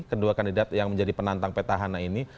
kedua kandidat yang menjadi penantang peta hana ini